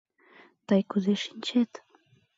Тый кузе шинчет?